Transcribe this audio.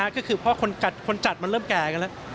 ก็คือเพราะคนจัดมันเริ่มแก่กันแล้ว